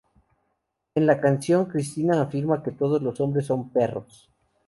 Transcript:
En la canción, Christina afirma que "todos los hombres son perros".